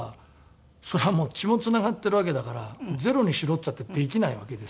そりゃもう血もつながってるわけだからゼロにしろっつったってできないわけですし。